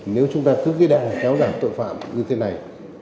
nếu chúng ta cứ đang kéo giảm tội phạm như thế này